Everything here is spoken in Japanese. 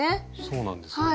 そうなんですよね。